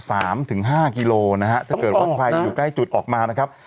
ถึงห้ากิโลนะฮะถ้าเกิดว่าใครอยู่ใกล้จุดออกมานะครับ